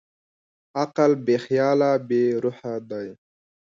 عقل بېخیاله بېروحه دی.